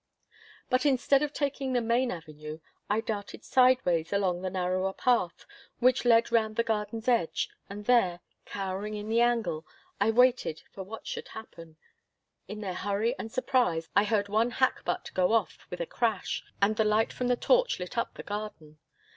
But instead of taking the main avenue, I darted sideways along the narrower path which led round the garden's edge, and there, cowering in the angle, I waited for what should happen. In their hurry and surprise I heard one hackbutt go off with a crash, and the light from the touch lit up the garden.